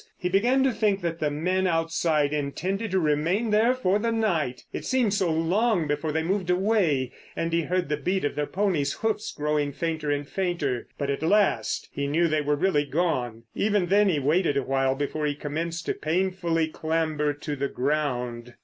He began to think that the men outside intended to remain there for the night—it seemed so long before they moved away, and he heard the beat of their ponies' hoofs growing fainter and fainter. But at last he knew they were really gone. Even then he waited awhile before he commenced to painfully clamber to the ground.